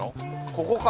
ここか。